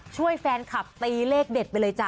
ช่วยแฟนคลับตีเลขเด็ดไปเลยจ้